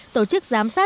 tổ chức giám sát